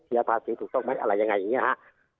ภาษีถูกต้องไหมอะไรยังไงอย่างนี้ครับ